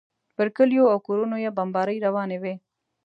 پر کلیو او کورونو یې بمبارۍ روانې وې.